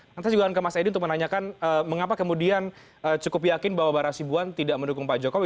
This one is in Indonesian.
nanti saya juga akan ke mas edi untuk menanyakan mengapa kemudian cukup yakin bahwa barah sibuan tidak mendukung pak jokowi